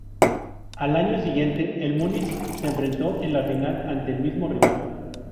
Al año siguiente, el Múnich se enfrentó en la final ante el mismo rival.